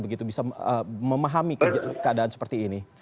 begitu bisa memahami keadaan seperti ini